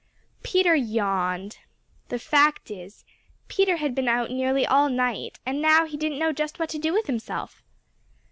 Peter yawned. The fact is, Peter had been out nearly all night, and now he didn't know just what to do with himself.